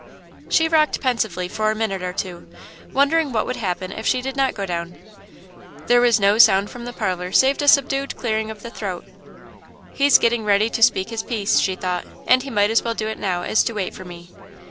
She rocked pensively for a minute or two, wondering what would happen if she did not go down. There was no sound from the parlour save a subdued clearing of the throat. "He's getting ready to speak his piece," she thought, "and he might as well do it now as to wait for me."